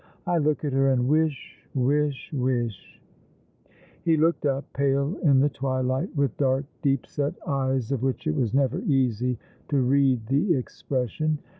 I look at her, and v/ish — wish — wish !" He looked up, pale in the twilight, with dark deep set eyes, of which it was never easy to read the expression.